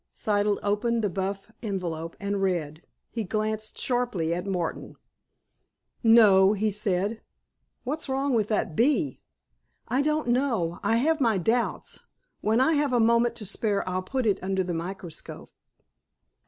Siddle opened the buff envelope, and read. He glanced sharply at Martin. "No," he said. "What's wrong with that bee?" "I don't know. I have my doubts. When I have a moment to spare I'll put it under the microscope."